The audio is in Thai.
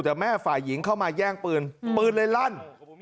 แต่แม่ฝ่ายหญิงเข้ามาแย่งปืนปืนเลยลั่น